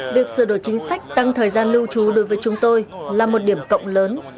việc sửa đổi chính sách tăng thời gian lưu trú đối với chúng tôi là một điểm cộng lớn